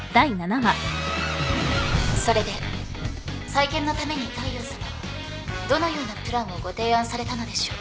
それで再建のために大陽さまはどのようなプランをご提案されたのでしょう？